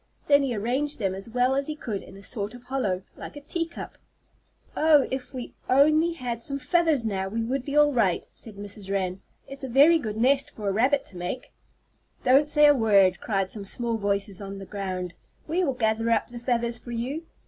Then he arranged them as well as he could in a sort of hollow, like a tea cup. "Oh, if we only had some feathers now, we would be all right," said Mrs. Wren. "It's a very good nest for a rabbit to make." "Don't say a word!" cried some small voices on the ground. "We will gather up the feathers for you."